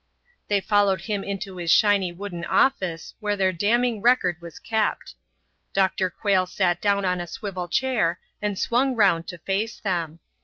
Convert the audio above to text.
They followed him into his shiny wooden office where their damning record was kept. Dr. Quayle sat down on a swivel chair and swung round to face them.